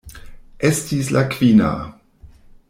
Estis la kvina.